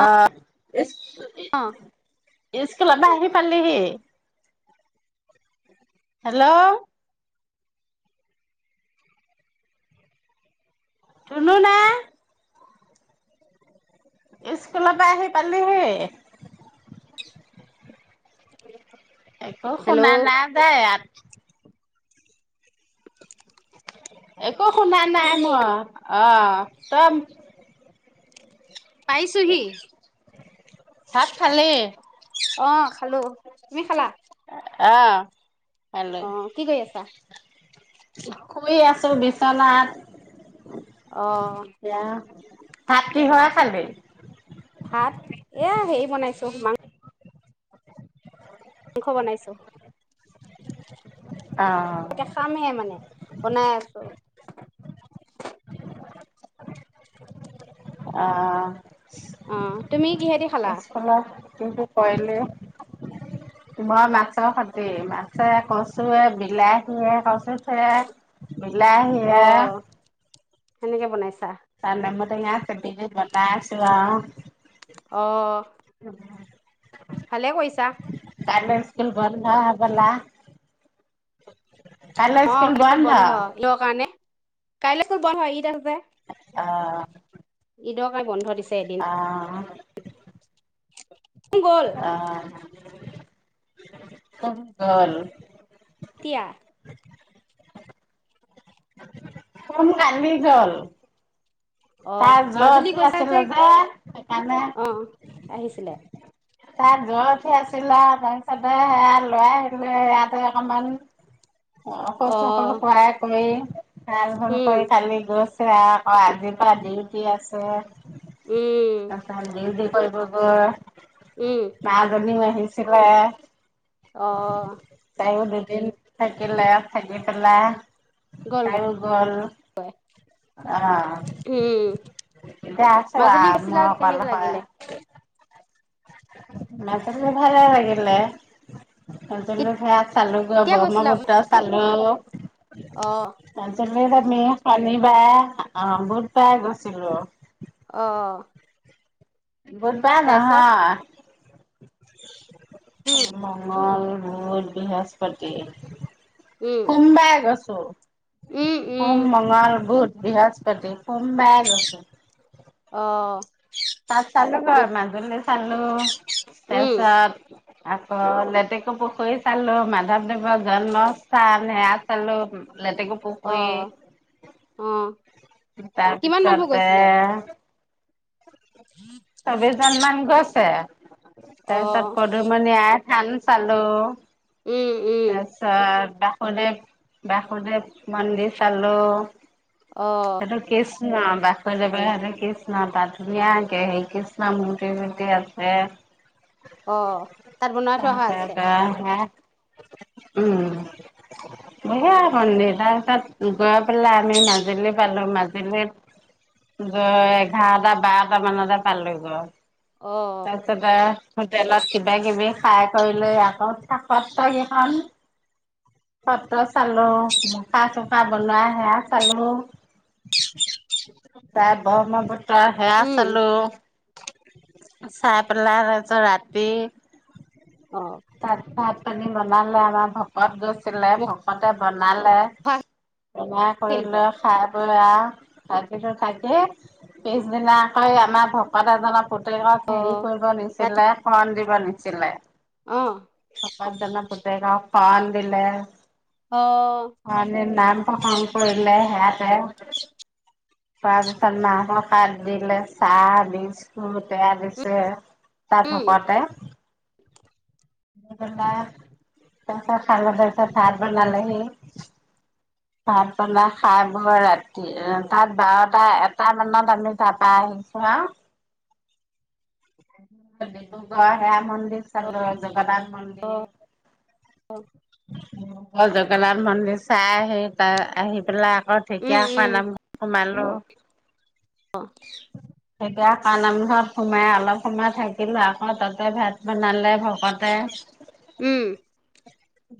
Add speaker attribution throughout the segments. Speaker 1: অ। এ
Speaker 2: অ'।
Speaker 1: স্কুলৰ পা আহি পালিহি? হেল্ল' ধুনু নে? স্কুলৰ পা আহি পালিহি? একো
Speaker 2: হেল্ল'
Speaker 1: শুনা নায় যে ইয়াত। এক একো শুনা
Speaker 2: কি
Speaker 1: নাই
Speaker 2: বোলো
Speaker 1: মই, অ'। তইম
Speaker 2: পাইছোহি,
Speaker 1: ভাত খালি
Speaker 2: অ'। খালোঁ, তুমি খালা?
Speaker 1: অহ।
Speaker 2: অ, কি কৰি আছা?
Speaker 1: শুই আছোঁ বিচনাত।
Speaker 2: অ
Speaker 1: এতিয়া ভাত কিহেৰে খালি।
Speaker 2: ভাত এয়া হেৰি বনাইছো মাংস মাংস বনাইছো,
Speaker 1: অ',
Speaker 2: এতিয়া খামেইহে মানে বনাই আছো।
Speaker 1: অ'।
Speaker 2: অ', তুমি কিহেদি খালা?
Speaker 1: কিটো কৰিলি মই মাছৰ খতি মাছে, কচুৱে, বিলাহীয়ে চে কচুয়ে,
Speaker 2: অ
Speaker 1: বিলাহীয়ে
Speaker 2: সেনেকে বনাইছা।
Speaker 1: নেমু টেঙা চেপি দি বনাইছোঁ আওঁ।
Speaker 2: অ'। ভালে কৰিছা
Speaker 1: কাইলৈ স্কুল বন্ধ। ভলা
Speaker 2: অ', কালি স্কুল বন্ধ কিহৰ কাৰণে কাইলৈ স্কুল বন্ধ হয়, ঈদ আছ
Speaker 1: অ'।
Speaker 2: ঈদৰ কাৰণে বন্ধ দিচ
Speaker 1: অ'।
Speaker 2: গ'ল
Speaker 1: অ'। ক'ত গ'ল?
Speaker 2: তিয়া
Speaker 1: কোন নামি গ'ল?
Speaker 2: অ
Speaker 1: তাৰ জৰ
Speaker 2: মাজুলী
Speaker 1: উঠি
Speaker 2: গৈছা
Speaker 1: আছিলে যে সেইকাৰণে,
Speaker 2: অ আহিছিলে
Speaker 1: তাত জৰ উঠি আছিল আও তাপিছতে সেয়া লৈ আহিলো ইয়াতে অকমান, অ [unintelligible] সয়াই কৰি [unintelligible]
Speaker 2: উম
Speaker 1: কৰি কালি গছ আকৌ আজি পা ডিউটি আছে।
Speaker 2: উম
Speaker 1: তাপিছত ডিউটি কইব ব
Speaker 2: উম
Speaker 1: মাজনীও আহিচ চিলে,
Speaker 2: অ'
Speaker 1: দিন থাকিলে থাকি পেলাই,
Speaker 2: গ'ল
Speaker 1: তায়ো গল
Speaker 2: গ'ল
Speaker 1: অ'
Speaker 2: উম
Speaker 1: এতিয়া আছোঁ
Speaker 2: মাজুলী
Speaker 1: আও ম
Speaker 2: গৈছিলা কেনেকে
Speaker 1: অকলশৰে
Speaker 2: লাগিলে
Speaker 1: মাজুলী ভালে লাগিলে। [unintelligible] চালু গৈ
Speaker 2: কেতিয়া গৈছিলা আপুনি
Speaker 1: বহ্মপুত্ৰ চালো, [unintelligible]
Speaker 2: অ
Speaker 1: [unintelligible] আমি শনিবায়ে অ', বুধবায়ে গৈছিলো।
Speaker 2: অ'।
Speaker 1: বোধবায়ে
Speaker 2: তাৰপিছত
Speaker 1: নহয়। [inaudible] অ' [unintelligible] বুধ, বৃহস্পতি।
Speaker 2: উম
Speaker 1: [unintelligible] এগছ।
Speaker 2: উম
Speaker 1: [unintelligible]
Speaker 2: উম
Speaker 1: সোম, মঙল, বুধ। বিহচপতি সোমবাৰে গৈছে।
Speaker 2: অ
Speaker 1: তাত চালো গৈ, মাজুলী চালো,
Speaker 2: উম
Speaker 1: তাৰপিছত আকৌ লেতেেকু পুখুৰী চালো, মাধৱদেৱৰ জন্মস্থান সেয়া চালো লেটেকু
Speaker 2: অ', অ'।
Speaker 1: তাৰ
Speaker 2: কিমান মানুহ
Speaker 1: পিছতে
Speaker 2: গৈছিলে
Speaker 1: ছব্বিছ জন মান গৈছে।
Speaker 2: অ
Speaker 1: তাৰ পিছত পদুমণি আঠ [unintelligible] ‌ চালো।
Speaker 2: উম উম
Speaker 1: তাৰপিছত বাসুদেৱ-বাসুদেৱ মন্দিৰ চালো।
Speaker 2: অ
Speaker 1: সেইটো কিছন, বাসুদেৱ [unintelligible] কৃষ্ণ তাত ধুনীয়াকে সেই কৃষ্ণ মূৰ্তি চূৰ্তি আছে।
Speaker 2: অ', তাত বনাই থোৱা হৈ আছে?
Speaker 1: উ [unintelligible]
Speaker 2: উম
Speaker 1: তাত গৈ পেলাই আমি মাজুলী পালো, মাজুলীত গৈ এঘাৰটা বাৰটা মানতে পালো গৈ।
Speaker 2: অ
Speaker 1: তাৰপিছত আও, হোটেলত কিবা কিবি খাই কৰি লৈ আকৌ [unintelligible] কেইখন, সত্ৰ চালো, মুখা চুখা বনোৱা সেৱা চালো, তাৰ ব্ৰহ্মপু আওঁ হেয়া
Speaker 2: উম
Speaker 1: চালো। চাই পেলাই তাৰছত ৰাতি
Speaker 2: অ
Speaker 1: তাত তাত [unintelligible] বনালে, আমাৰ ভকত গৈছি [unintelligible] ভকতে বনালে,
Speaker 2: মুখা
Speaker 1: বনাই কৰি
Speaker 2: শিল্প
Speaker 1: লৈ খায় [unintelligible] ৰাতিটো থাকি, পিছদিনা আক' আমাৰ ভকত এজনৰ
Speaker 2: অ ৰাতি
Speaker 1: [unintelligible] [unintelligible] শৰন দিব নিছিলে।
Speaker 2: অ'
Speaker 1: [unintelligible] পুতেকক শৰণ দিলে। অ' এনে নাম প্ৰসঙ্গ কৰিলেে হেয়া [unintelligible] তাৰপিছত মাহৰ পাত দিলে, চাহ-বিস্কুট এয়া দিছে। তাৰ
Speaker 2: উম
Speaker 1: ভকতে [unintelligible] তাপিছত খাই পেলাই তাপিছত ভাত বনালেহি। ভাত বনাই খাই-বৈ ৰাতি তাত বাৰটা-এটা মানত আমি তাৰপা আহিছো আৰু ডিব্ৰুগড় সেয়া মন্দিৰ চালো। জগন্নাথ মন্দিৰ জগন্নাথ মন্দিৰ চাই আহি তাত আহি পেলাই আ অ
Speaker 2: উম
Speaker 1: ঢেঁকীয়াখোৱা নাম [inaudible] সোমাল কৌ
Speaker 2: অ'
Speaker 1: [unintelligible] নামঘৰত সোমাই অলপ সময় থাকিলো, আকৌ তাতে ভাত বনালে ভকতে
Speaker 2: উম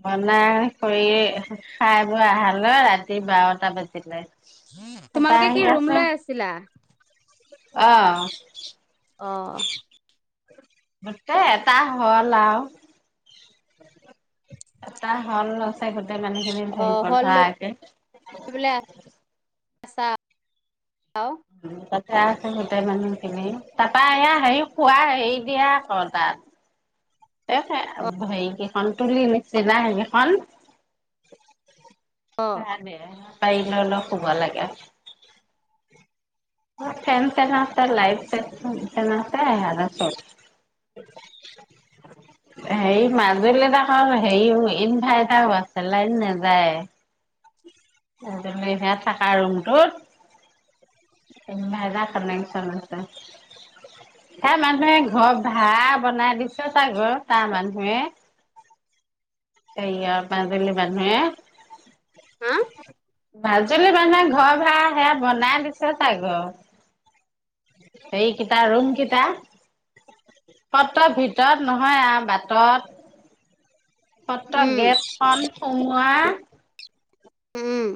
Speaker 1: বনাই কৰি খাই বৈ আহালৈ ৰাতি বাৰটা বাজিলে। তাৰপা
Speaker 2: তোমালোকে
Speaker 1: আহি
Speaker 2: কি ৰুম
Speaker 1: আছো
Speaker 2: লৈ আছিলা?
Speaker 1: অ'
Speaker 2: অ'
Speaker 1: গোটেই এটা হল আও, এটা হল আছে গো
Speaker 2: অ', হল লৈ
Speaker 1: [unintelligible]
Speaker 2: পেলাই আছা [inaudible] আও
Speaker 1: তাতে আছে গোটেই মানুহখিনি, তাপা এয়া হেয়ী খোৱা হেৰি দিয়া আকৌ তাত এ
Speaker 2: অ',
Speaker 1: হে-হেইকেইখন, তুলি নিচিনা সেইকেইখন ভাৰাত দিয়ে। পাৰি লৈ লৈ শুব লাগে। ফেন চেন আছে, লাইট চাইট [unintelligible] হেৰি মাজুলীত আক' হেৰি ইনভাৰ্টাৰও আছে লাইন নাযায়েই, [unintelligible] হেয়া থাকা ৰুমটোত। ইনভাৰ্টাৰ কানেকচন আছে, সেয়া মানুহে ঘৰ ভাৰা বনাই দিছে তাৰ ঘৰ তাৰ মানুহে সেইয়া মাজুলী মানুয়ে
Speaker 2: হম?
Speaker 1: মাজুলী মানুহে ঘৰ ভাড়া সেয়া বনাই দিছে চাগৈ, হেৰিকিটা ৰুম কিটা। সত্ৰ ভিতৰত নহয় আও বাটত। সত্ৰ
Speaker 2: উম,
Speaker 1: গেট খন সোমোৱা
Speaker 2: উম।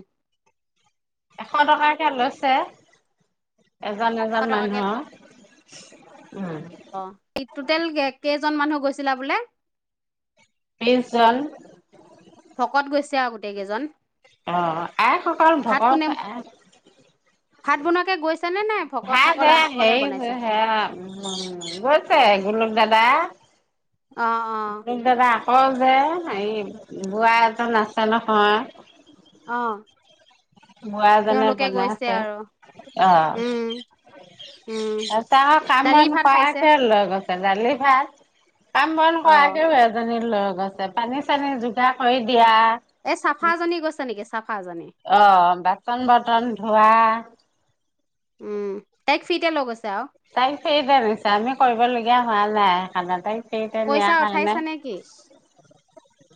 Speaker 1: এশ টকাকে লৈছে এজন এজন
Speaker 2: এশ টকাকে
Speaker 1: মানুহৰ উম
Speaker 2: অ' টোটেল কে-কেইজন মানুহ গৈছিলা বোলে?
Speaker 1: বিছজন।
Speaker 2: ভকত গৈছে আও গোটেই কেইজন।
Speaker 1: অ', আ আহসকল
Speaker 2: ভাত কোনে
Speaker 1: ভগ [unintelligible] আহ।
Speaker 2: ভাত বনোৱাকে গৈছ
Speaker 1: [unintelligible] বেয়া [unintelligible] গৈছে। [unintelligible] দাদা
Speaker 2: অ', অ',
Speaker 1: কওঁ যে হেৰি, বুৰা এজন আছে নহয়।
Speaker 2: অ'।
Speaker 1: বুৰা জনে
Speaker 2: তেওঁলোকে
Speaker 1: বনাই
Speaker 2: গৈছে
Speaker 1: আছে
Speaker 2: আৰু।
Speaker 1: অ',
Speaker 2: উম, উম।
Speaker 1: চাৰা
Speaker 2: দালি
Speaker 1: কাম-বন
Speaker 2: ভাত খাইছে?
Speaker 1: কৰাকে লৈ গৈছে দালি ভাত কাম বন
Speaker 2: অ',
Speaker 1: কৰাকেও এজনি পানী চানী যোগাৰ কৰি দিয়া।
Speaker 2: এ চাফাজনী গৈছে নেকি? চাফাজনী?
Speaker 1: অ', বা চন বৰ্তন ধোৱা।
Speaker 2: উম, তাইক ফ্ৰি তে লৈ গৈছে আউ।
Speaker 1: তাই কেইবাৰ হৈছে আমি কৰিবলগীয়া হোৱা নাই সেইকাণে তাইক সেইতা নিয়া
Speaker 2: পইচা
Speaker 1: হয়
Speaker 2: উঠাইছা নে কি?
Speaker 1: নাই,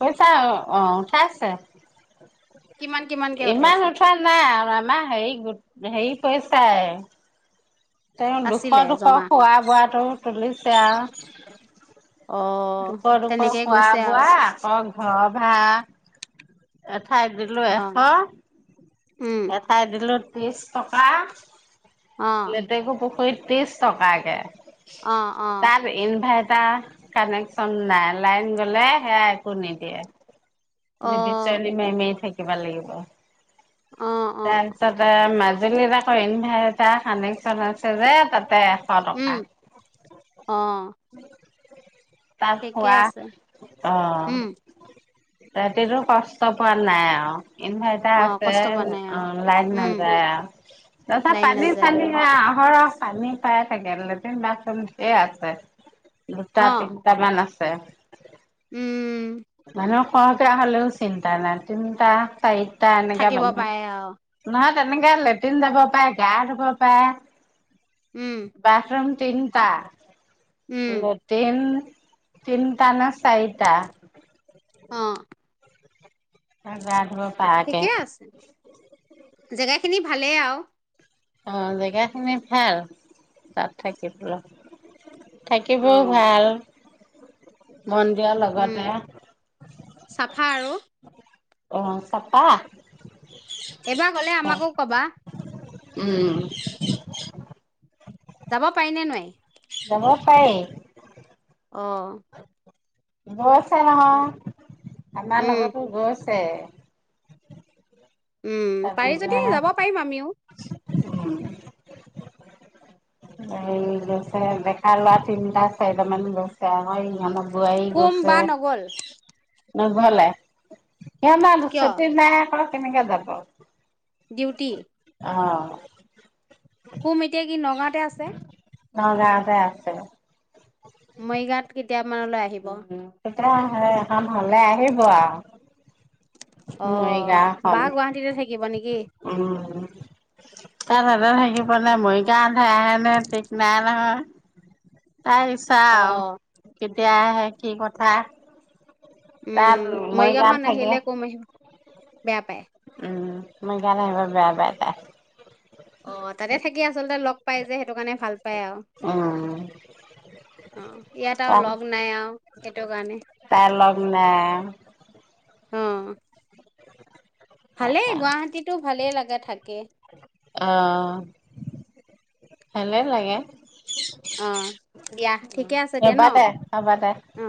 Speaker 1: কৈছা অ'। অ', পাইছে।
Speaker 2: কিমান কিমানকে
Speaker 1: ইমান
Speaker 2: উঠাইছে?
Speaker 1: উঠোৱা নাই মানে হেৰি গোট হেৰি পেইছাই তেওঁ দুশ,
Speaker 2: আছিলে
Speaker 1: দুশ
Speaker 2: জমা?
Speaker 1: খোৱা বোৱাটো তুলি কিয়া
Speaker 2: অ',
Speaker 1: দুশ, দুশ
Speaker 2: তেনেকে গৈছে আৰু
Speaker 1: খোৱা-বোৱা আকৌ ঘৰ ভাৰা এত [unintelligible] দিলো এশ
Speaker 2: অ', উম,
Speaker 1: এঠাইত দিলো ত্ৰিছ টকা
Speaker 2: অ',
Speaker 1: লেতেকু পুখুৰীত ত্ৰিছ টকা একে
Speaker 2: অ', অ',
Speaker 1: তাত ইনভাইট তাৰ কানেকচন নাই লাইন গ'লে হেয়াই কো নিদিয়ে
Speaker 2: অ',
Speaker 1: বিচনী মায়ি, মায়ি থাকিব লাগিব
Speaker 2: অ',
Speaker 1: তাৰ
Speaker 2: অ',
Speaker 1: পিছত আৰু মা [unintelligible] ইনভাৰ এটা কানেক্টচণ আছে যে, তাত তেৰশ
Speaker 2: উম,
Speaker 1: টকা।
Speaker 2: অ',
Speaker 1: তাৰ
Speaker 2: ঠিকে
Speaker 1: খোৱা
Speaker 2: আছে,
Speaker 1: অ'।
Speaker 2: উম,
Speaker 1: ৰাতিটো কষ্ট পোৱা নাই আৰু। ইনভাৰ্টাৰ
Speaker 2: অ',
Speaker 1: আছে
Speaker 2: কষ্ট পোৱা নাই আৰু
Speaker 1: অ', লাইট
Speaker 2: উম,
Speaker 1: নাযায় তাৰ পিছত
Speaker 2: লাইন
Speaker 1: পানী
Speaker 2: নাযায়
Speaker 1: ছানি
Speaker 2: অ',
Speaker 1: এইয়া অহৰহ পানী পাই থাকে লেটিন বাথৰুম ধেৰ আছে। দুটা তিন।
Speaker 2: অ',
Speaker 1: আছে।
Speaker 2: উম।
Speaker 1: সৰহ কে হ'লেও চিন্তা নাই তিনিটা চাৰি। এনেকে।
Speaker 2: থাকিব পাৰে আৰু
Speaker 1: [unintelligible] তেনেকে লেট্ৰিন যাব পায় গা ধুব পায়।
Speaker 2: উম,
Speaker 1: বাথৰুম তিনিটা
Speaker 2: উম,
Speaker 1: লেটিন। তিনিটা ন চাৰিটা।
Speaker 2: অ'।
Speaker 1: গা ধুব পাৰাকে।
Speaker 2: জেগা খিনি ভালেই আৰু।
Speaker 1: অ জেগাখিনি ভাল, তাত থাকিবলৈ। থাকিবও
Speaker 2: অ',
Speaker 1: ভাল। মন্দিৰৰ
Speaker 2: উম,
Speaker 1: লগতে।
Speaker 2: চাফা আৰু
Speaker 1: [unintelligible] অ', চাফা
Speaker 2: এইবাৰ গ'লে, আমাকো ক'বা
Speaker 1: উম
Speaker 2: যাব পাৰি নে নোৱাৰি?
Speaker 1: যাব পাৰি
Speaker 2: অ'।
Speaker 1: [inaudible] [unintelligible] আমাৰ
Speaker 2: উম,
Speaker 1: লগতো গৈছ তে
Speaker 2: উম, পাৰি যদি যাব পাৰিম, আমিও
Speaker 1: উম, এই গৈছে। ডেকা ল'ৰা তিনিটা-চাৰিটামান গৈছে আৰু হয়,
Speaker 2: কুম বা
Speaker 1: ইহঁতৰ
Speaker 2: নগ'ল
Speaker 1: বোৱাৰী গৈছে। নগ'লে
Speaker 2: কিয়
Speaker 1: [inaudible] কেনেকে যাব?
Speaker 2: ডিউটি
Speaker 1: অ'।
Speaker 2: কুম, এতিয়া কি নগাঁৱতে আছে?
Speaker 1: নগাঁৱতে আছে।
Speaker 2: মৰিগাঁৱত কি কেতিয়ামানলৈ আহিব?
Speaker 1: [unintelligible] ভাল হ'লে, আহিব আও।
Speaker 2: অ', বা গুৱাহাটীতে থাকিব নে কি?
Speaker 1: তা ভাবা ভাই। [unintelligible] মৰিগাওঁ। তাই আহে নে নাহে ঠিক নাই নহয়। তাইৰ
Speaker 2: অ
Speaker 1: ইচ্ছাও। তেতিয়াহে কি কথা তাত
Speaker 2: উম
Speaker 1: মৰিগাঁৱত
Speaker 2: মৰিগাওঁখনত
Speaker 1: থাকে
Speaker 2: আহিলে। [unintelligible] বেয়া পায়।
Speaker 1: মৰিগাঁওলৈ আহিব বেয়া পাই তাই।
Speaker 2: অ, তাতে থাকি আচলতে লগ পাই যে সেইটো কাৰণে ভাল পায় আৰু
Speaker 1: উম,
Speaker 2: অ ইয়াত আৰু লগ নাই আৰু সেইটো কাৰণে
Speaker 1: তাই-তাই লগ নাই।
Speaker 2: উম। ভালেই গুৱাহাটীতো ভালেই লাগে থাক
Speaker 1: অ'। ভালেই লাগে।
Speaker 2: অ দিয়া
Speaker 1: উম
Speaker 2: ঠিকে আছে দিয়া
Speaker 1: হ'ব
Speaker 2: ন,
Speaker 1: দে হ'ব দে।
Speaker 2: অ।